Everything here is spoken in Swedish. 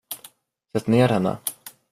Sätt ner henne!